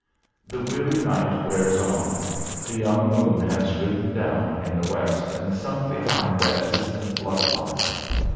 The weary night wears on. The young moon has ridden down in the west and sunk behind that distant bluff line.